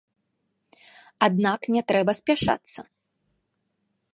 Аднак не трэба спяшацца.